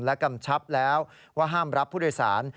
และกำชับแล้วว่าห้ามรับผู้โดยสาร